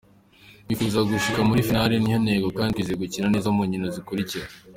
"Twipfuza gushika muri "finale", niyo ntego kandi twizeye gukina neza mu nkino zikurikira.